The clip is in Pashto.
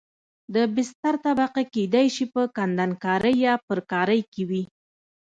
د بستر طبقه کېدای شي په کندنکارۍ یا پرکارۍ کې وي